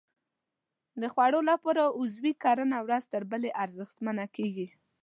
د خوړو لپاره عضوي کرنه ورځ تر بلې ارزښتمنه کېږي.